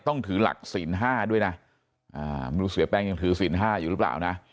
ต้องถือหลักศีล๕ด้วยนะไม่รู้เสียแป้งยังถือศีล๕อยู่หรือเปล่านะ